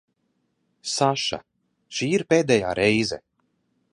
Saša, šī ir pēdējā reize.